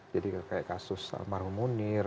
jadi kayak kasus almarhum munir